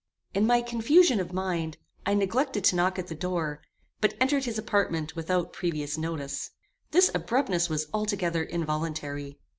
In my confusion of mind, I neglected to knock at the door, but entered his apartment without previous notice. This abruptness was altogether involuntary.